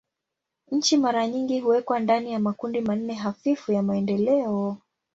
Nchi mara nyingi huwekwa ndani ya makundi manne hafifu ya maendeleo.